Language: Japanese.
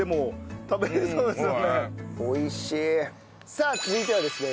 さあ続いてはですね